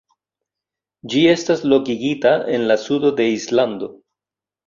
Ĝi estas lokigita en la sudo de Islando.